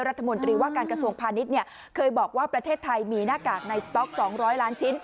รัฐมนตรีว่าการกระทรวงพาณิชย์เคยบอกว่าประเทศไทยมีหน้ากากในสต๊อก๒๐๐ล้านชิ้น